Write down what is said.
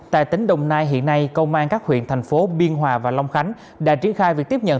tại tỉnh đồng nai hiện nay công an các huyện thành phố biên hòa và long khánh đã triển khai việc tiếp nhận